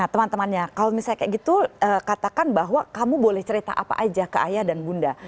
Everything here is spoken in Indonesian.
teman temannya kalau misalnya kayak gitu katakan bahwa kamu boleh cerita apa aja ke ayah dan bunda